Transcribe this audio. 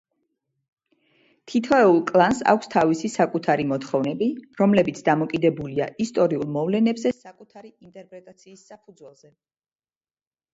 თითოეული კლანს აქვს თავისი საკუთარი მოთხოვნები, რომლებიც დამოკიდებულია ისტორიულ მოვლენებზე საკუთარი ინტერპრეტაციის საფუძველზე.